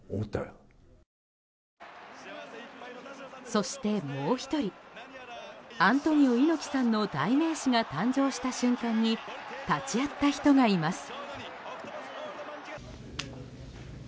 そして、もう１人アントニオ猪木さんの代名詞が誕生した瞬間に立ち会った人がいます。